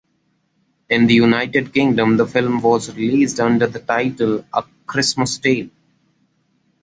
In the United Kingdom the film was released under the title "A Christmas Tail".